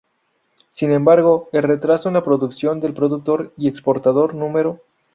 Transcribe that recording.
Sin embargo, el retraso en la producción del productor y exportador No.